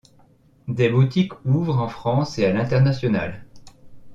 Des boutiques ouvrent en France et à l’international.